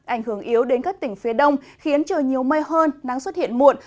ảnh hưởng yếu đến các tỉnh phía đông khiến trời nhiều mây hơn nắng xuất hiện muộn